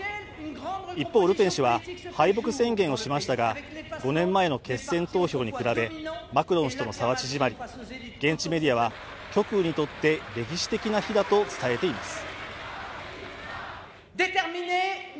一方、ルペン氏は敗北宣言をしましたが、５年前の決戦投票に比べ、マクロン氏との差は縮まり現地メディアは、極右にとって歴史的な日だと伝えています。